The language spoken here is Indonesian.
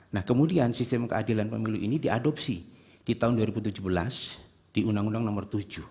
nah kemudian sistem keadilan pemilu ini diadopsi di tahun dua ribu tujuh belas di undang undang nomor tujuh